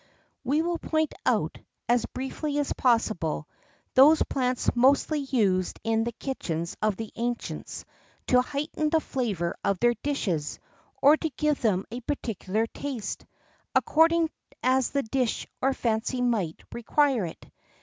We will point out, as briefly as possible, those plants mostly used in the kitchens of the ancients to heighten the flavour of their dishes, or to give them a particular taste, according as the dish or fancy might require it.